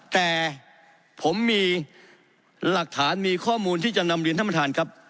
แต่ผมมีหลักฐานมีข้อมูลที่จะนำเรียนท่านประธานครับ